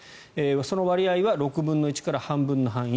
その割合は６分の１から半分の範囲。